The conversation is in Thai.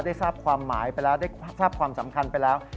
ได้ทราบความหมายไปแล้วได้ทราบความสำคัญไปแล้ว